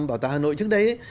bảo tàng hà nội trước đấy